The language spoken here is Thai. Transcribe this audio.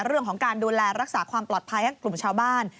เรื่องของการดูแลรักษาความปลอดภัยให้กลุ่มชาวบ้าน